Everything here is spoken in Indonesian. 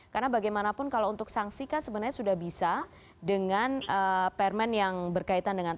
karena bagaimanapun kalau untuk sanksikan sebenarnya sudah bisa dengan permen yang berkaitan dengan thr